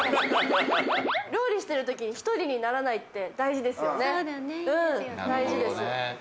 料理してる時に、１人にならないって大事ですよね。